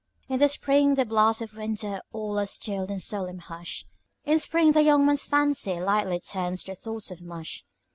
"In the spring the blasts of winter all are stilled in solemn hush. In the spring the young man's fancy lightly turns to thoughts of mush.